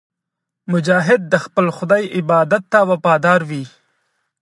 مجاهد د خپل خدای عبادت ته وفادار وي.